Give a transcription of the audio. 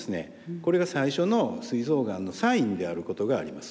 これが最初のすい臓がんのサインであることがあります。